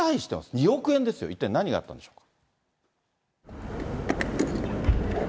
２億円ですよ、一体何があったんでしょうか。